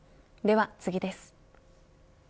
では次です。